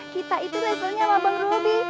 kita itu levelnya sama bang ruby